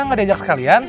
gak diajak sekalian